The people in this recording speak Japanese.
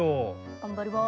頑張ります。